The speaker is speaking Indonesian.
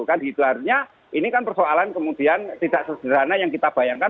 kan gitu artinya ini kan persoalan kemudian tidak sederhana yang kita bayangkan